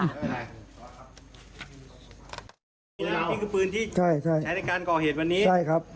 นี่คือปืนที่ใช่ใช้ในการก่อเหตุวันนี้ใช่ครับ